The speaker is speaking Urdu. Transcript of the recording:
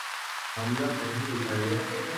معاملہ فہمی دکھائیے۔